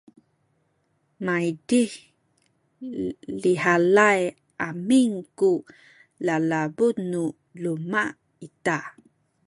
maydih lihalay amin ku lalabu nu luma’ ita